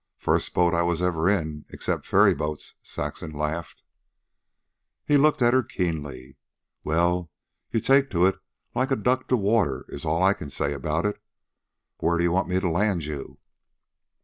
"First boat I was ever in, except ferryboats," Saxon laughed. He looked at her keenly. "Well, you take to it like a duck to water is all I can say about it. Where d'ye want me to land you?"